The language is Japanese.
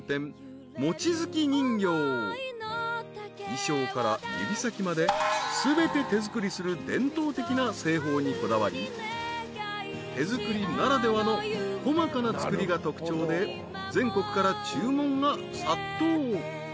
［衣装から指先まで全て手作りする伝統的な製法にこだわり手作りならではの細かな作りが特徴で全国から注文が殺到］